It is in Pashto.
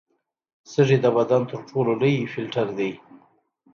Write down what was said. سږي د بدن تر ټولو لوی فلټر دي.